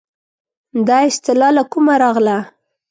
دا اصطلاح له کومه راغله.